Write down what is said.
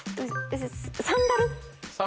サンダル？